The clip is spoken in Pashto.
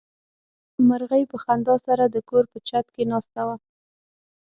مرغۍ په خندا سره د کور په چت کې ناسته وه.